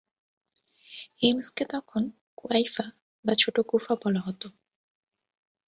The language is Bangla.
হিমসকে তখন কুয়াইফা বা ছোট কুফা বলা হত।